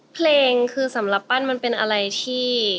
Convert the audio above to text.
เพลงคือสำหรับปั้นมันเป็นอะไรที่